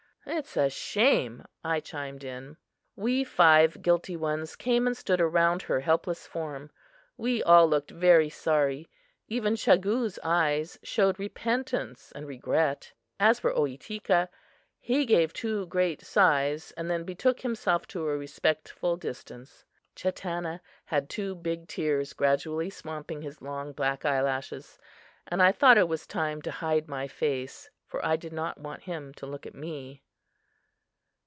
"It is a shame;" I chimed in. We five guilty ones came and stood around her helpless form. We all looked very sorry; even Chagoo's eyes showed repentance and regret. As for Ohitika, he gave two great sighs and then betook himself to a respectful distance. Chatanna had two big tears gradually swamping his long, black eye lashes; and I thought it was time to hide my face, for I did not want him to look at me.